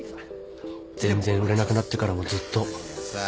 全然売れなくなってからもずっと。